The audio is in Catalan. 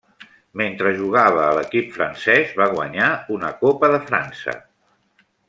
Mentre jugava a l'equip francès va guanyar una Copa de França.